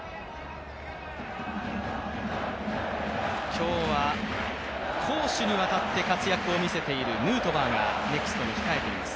今日は攻守にわたって活躍をしているヌートバーがネクストに控えています。